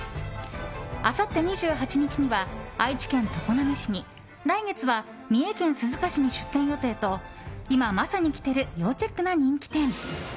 あさって２８日には愛知県常滑市に来月は三重県鈴鹿市に出店予定と今まさにきてる要チェックな人気店。